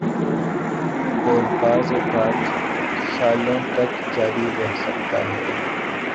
اوربعض اوقات سالوں تک جاری رہ سکتا ہی۔